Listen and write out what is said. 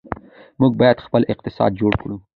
موږ باید خپل اقتصاد جوړ کړو.